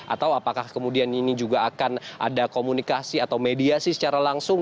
atau apakah kemudian ini juga akan ada komunikasi atau mediasi secara langsung